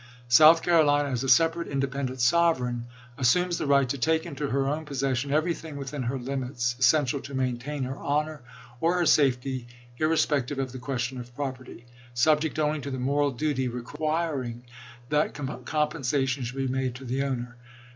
South Carolina, as a separate, independent sovereign, assumes the right to take into her own posses sion everything within her limits essential to maintain her honor or her safety, irrespective of the question of prop erty, subject only to the moral duty requiring that com pensation should be made to the owner.